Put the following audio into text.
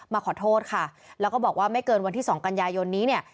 มาขอโทษค่ะแล้วก็บอกว่าไม่เกินวันที่สองกันยายนนี้เนี่ย